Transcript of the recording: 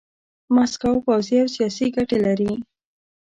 ماسکو پوځي او سیاسي ګټې لري.